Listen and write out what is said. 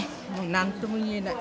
何とも言えない。